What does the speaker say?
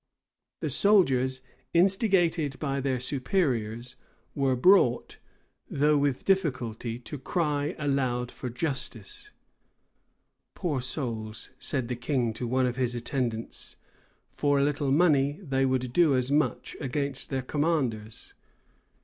The soldiers, instigated by their superiors, were brought, though with difficulty, to cry aloud for justice. "Poor souls!" said the king to one of his attendants, "for a little money they would do as much against their commanders."